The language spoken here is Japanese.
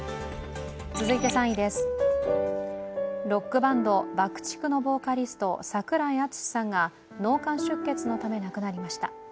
続いて３位です、ロックバンドＢＵＣＫ−ＴＩＣＫのボーカリスト・櫻井敦司さんが脳幹出血のため亡くなりました。